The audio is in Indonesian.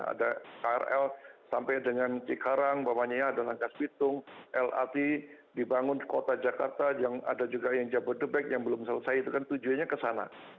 ada krl sampai dengan cikarang bawahnya ya ada nangkas bitung lrt dibangun kota jakarta ada juga yang jabodebek yang belum selesai itu kan tujuannya ke sana